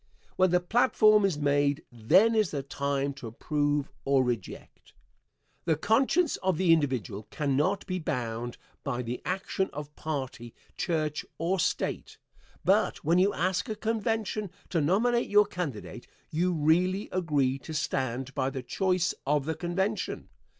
When the platform is made, then is the time to approve or reject. The conscience of the individual cannot be bound by the action of party, church or state. But when you ask a convention to nominate your candidate, you really agree to stand by the choice of the convention.